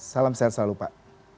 salam sehat selalu pak